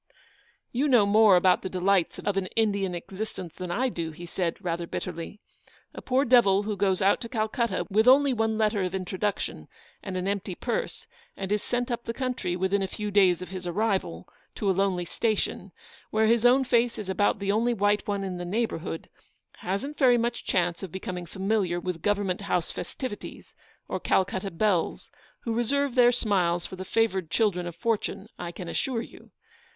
" You know more about the delights of an Indian existence than I do/' he said, rather bitterly ;" a poor devil who goes out to Calcutta with only one letter of introduction, and an empty purse, and is sent up the country, within a few days of his arrival, to a lonely station, where his own face is about the only white one in the neigh bourhood, hasn't very much chance of becoming familiar with Government House festivities, or Calcutta belles, who reserve their smiles for the favoured children of fortune, I can assure you.